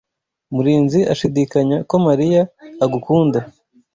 Murinzi ashidikanya ko Mariya agukunda.